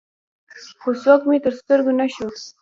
خو څوک مې تر سترګو نه شو.